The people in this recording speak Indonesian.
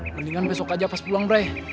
mendingan besok aja pas pulang breh